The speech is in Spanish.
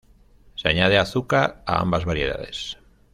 Se añade azúcar a ambas variedades.